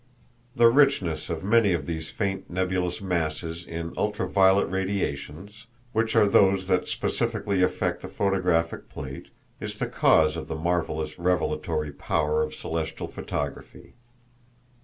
The richness of many of these faint nebulous masses in ultra violet radiations, which are those that specifically affect the photographic plate, is the cause of the marvelous revelatory power of celestial photography.